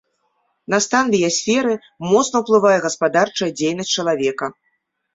На стан біясферы моцна ўплывае гаспадарчая дзейнасць чалавека.